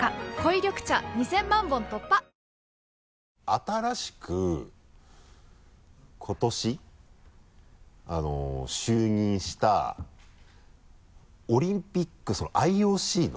新しく今年就任したオリンピックそのＩＯＣの。